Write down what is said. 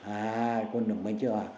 à quân đội mới chưa vào